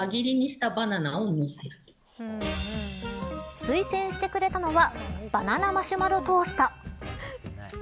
推薦してくれたのはバナナマシュマロトースト。